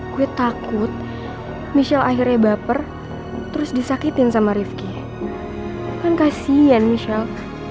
gue takut michelle akhirnya baper terus disakitin sama rifki kan kasian michelle